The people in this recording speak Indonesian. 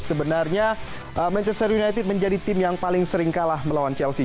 sebenarnya manchester united menjadi tim yang paling sering kalah melawan chelsea